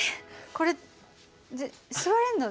これ座れんの？